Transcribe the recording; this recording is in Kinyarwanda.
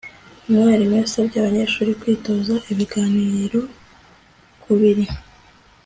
umwarimu yasabye abanyeshuri kwitoza ibiganiro kubiri